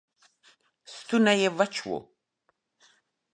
ستونی یې وچ و